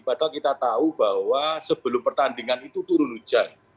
padahal kita tahu bahwa sebelum pertandingan itu turun hujan